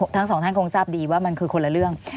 ทั้งสองท่านคงทราบดีว่ามันคือคนละเรื่อง